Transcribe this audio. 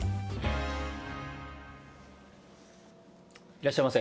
いらっしゃいませ。